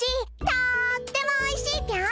とってもおいしいぴょん。